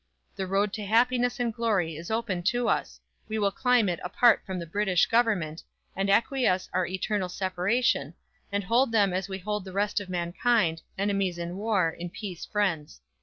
"The road to happiness and glory is open to us; we will climb it apart from the British Government, and acquiesce our eternal separation, and hold them as we hold the rest of mankind, enemies in war, in peace friends."